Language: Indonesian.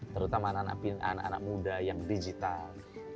terutama anak anak muda yang digital